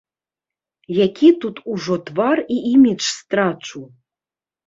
Які тут ужо твар і імідж страчу?